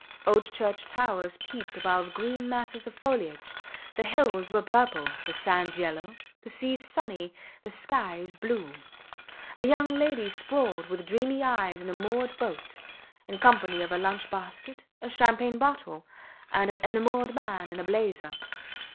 Old church towers peeped above green masses of foliage; the hills were purple, the sands yellow, the seas sunny, the skies blue. A young lady sprawled with dreamy eyes in a moored boat, in company of a lunch basket, a champagne bottle, and an enamoured man in a blazer.